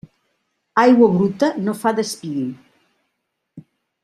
Aigua bruta no fa d'espill.